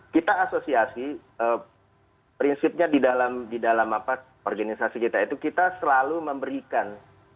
kita asosiasi prinsipnya di dalam organisasi kita itu kita selalu memberikan